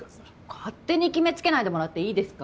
勝手に決めつけないでもらっていいですか。